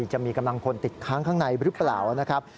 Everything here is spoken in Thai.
จะมีกำลังพลติดค้างข้างในหรือเปล่านะครับ